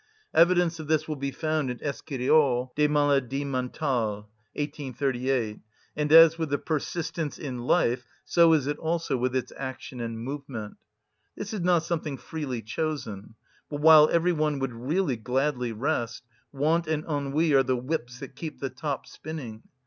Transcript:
(Evidence of this will be found in Esquirol, Des maladies mentales, 1838.) And as with the persistence in life, so is it also with its action and movement. This is not something freely chosen; but while every one would really gladly rest, want and ennui are the whips that keep the top spinning.